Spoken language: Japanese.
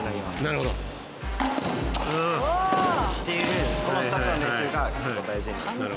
なるほど。っていうこの２つの練習が結構大事になります。